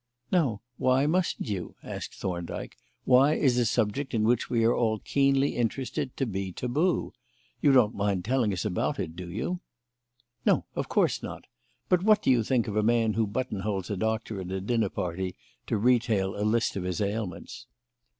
"Now, why mustn't you?" asked Thorndyke. "Why is a subject in which we are all keenly interested to be tabu? You don't mind telling us about it, do you?" "No, of course not. But what do you think of a man who buttonholes a doctor at a dinner party to retail a list of his ailments?"